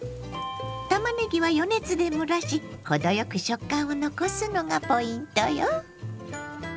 たまねぎは余熱で蒸らし程よく食感を残すのがポイントよ。